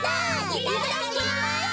いただきます！